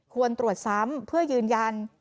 ควรตรวจซ้ำเพื่อยืนยัน